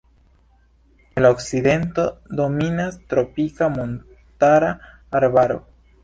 En la okcidento dominas tropika montara arbaro.